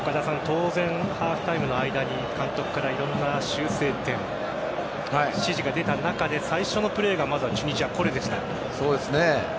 当然、ハーフタイムの間に監督からいろんな修正点指示が出た中で最初のプレーがまずはチュニジア、これでした。